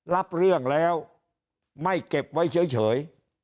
รับเรื่องแล้วไม่เก็บไว้เฉย